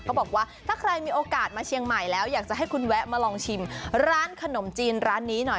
บอกว่าถ้าใครมีโอกาสมาเชียงใหม่แล้วอยากจะให้คุณแวะมาลองชิมร้านขนมจีนร้านนี้หน่อย